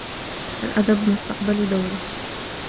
الأدب مستقبل دولة.